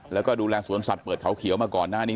แล้วก็ดูแลสวนสัตว์เปิดเขาเขียวมาก่อนหน้านี้